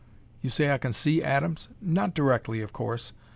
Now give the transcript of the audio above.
"You say I can see atoms?" "Not directly, of course.